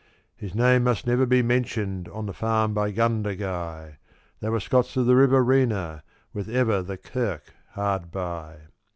His name must never be mentioned on the farm by Gundagai They were Scots of the Riverina with ever the kirk hard by.